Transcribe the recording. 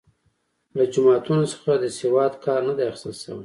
له جوماتونو څخه د سواد کار نه دی اخیستل شوی.